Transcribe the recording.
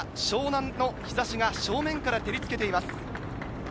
湘南の日差しが正面から照りつけています。